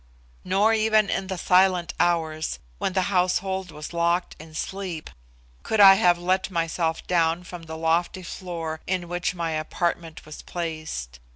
Nor even in the Silent Hours, when the household was locked in sleep, could I have let myself down from the lofty floor in which my apartment was placed.